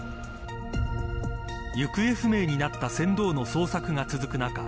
行方不明になった船頭の捜索が続く中